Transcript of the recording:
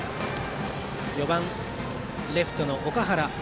４番、レフトの岳原。